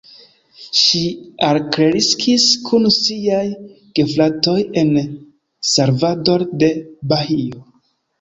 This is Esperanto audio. Ŝi alkreskis kun siaj gefratoj en Salvador de Bahio.